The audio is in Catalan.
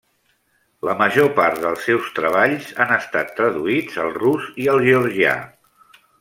La major part dels seus treballs han estat traduïts al rus i al georgià.